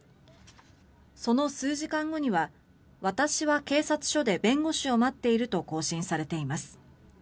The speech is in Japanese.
その数時間後には、私は警察署で弁護士を待っていると更新されています。